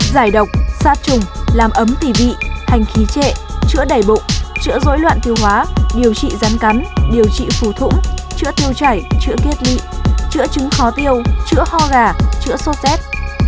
giải độc sát trùng làm ấm tỉ vị hành khí trệ chữa đẩy bụng chữa dối loạn tiêu hóa điều trị gian cắn điều trị phù thủng chữa tiêu chảy chữa kết lị chữa trứng khó tiêu chữa ho gà chữa sốt chết